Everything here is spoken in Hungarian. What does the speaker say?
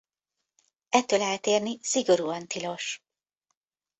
Ettől eltérni szigorúan tilos!